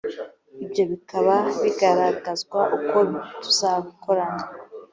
ibyo bikaba bigaragazwa uko tuzakorana